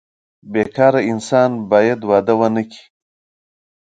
بې کاره انسان باید واده ونه کړي.